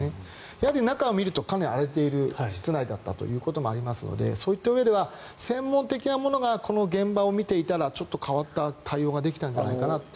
やはり中を見るとかなり荒れている室内だったということもありますのでそういったうえでは専門的な者がこの現場を見ていればもっと変わった対応ができたんじゃないかなと。